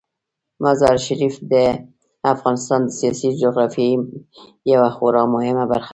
مزارشریف د افغانستان د سیاسي جغرافیې یوه خورا مهمه برخه ده.